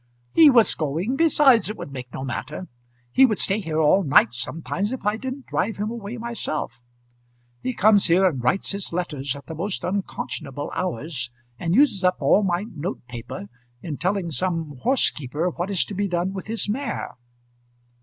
"He was going. Besides, it would make no matter; he would stay here all night sometimes, if I didn't drive him away myself. He comes here and writes his letters at the most unconscionable hours, and uses up all my note paper in telling some horsekeeper what is to be done with his mare."